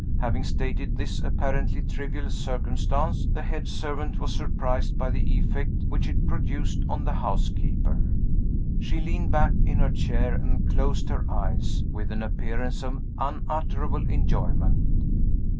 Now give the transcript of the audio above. Having stated this apparently trivial circumstance, the head servant was surprised by the effect which it produced on the housekeeper. She leaned back in her chair and closed her eyes, with an appearance of unutterable enjoyment.